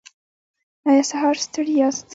ایا سهار ستړي یاست؟